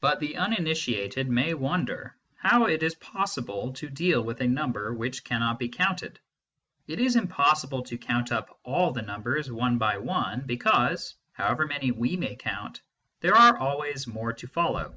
But the uninitiated may wonder how it is possible to deal with a number which cannot be counted. It is im possible to count up all the numbers, one by one, because, however many we may count, there are always more to follow.